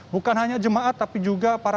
bukan hanya jemaat tapi juga para